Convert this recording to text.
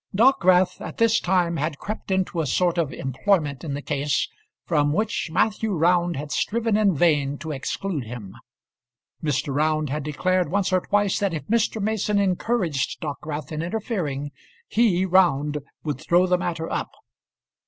Dockwrath at this time had crept into a sort of employment in the case from which Matthew Round had striven in vain to exclude him. Mr. Round had declared once or twice that if Mr. Mason encouraged Dockwrath in interfering, he, Round, would throw the matter up.